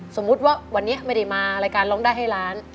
สมมุติว่าวันนี้ไม่ได้มารายการร้องได้ให้ล้าน